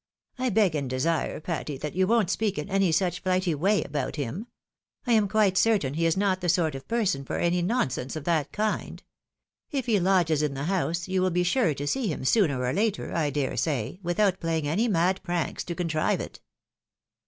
" I beg and desire, Patty, that you won't speak in any such flighty way about Mm. I am quite certain he is not the sort of person for any nonsense of that kind. K he lodges in the house, you wiU be sure to see him, sooner or later, I dare say, without playing any mad pranks to contrive it."